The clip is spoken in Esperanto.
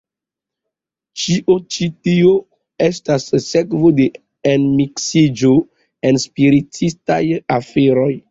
Ĉio ĉi tio estas sekvo de enmiksiĝo en spiritistaj aferoj.